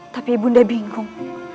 tapi ibunda bingung